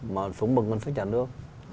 mà sống bằng ngân sách nhà nước